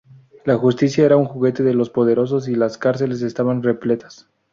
La justicia era un juguete de los poderosos y las cárceles estaban repletas.